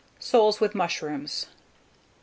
SOLES WITH MUSHROOMS. 328.